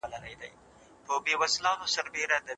احمدشاه بابا د مظلومانو غږ ته لبیک ووایه.